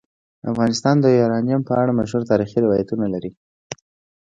افغانستان د یورانیم په اړه مشهور تاریخی روایتونه لري.